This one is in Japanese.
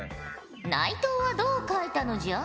内藤はどう描いたのじゃ？